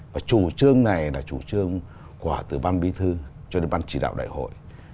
và chủ trương này là chủ trương của từ ban bí thư cho đến ban chỉ đạo đại hội